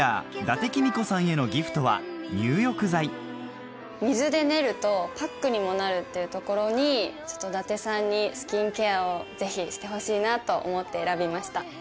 伊達公子さんへのギフトは入浴剤水で練るとパックにもなるっていうところにちょっと伊達さんにスキンケアをぜひしてほしいなと思って選びました。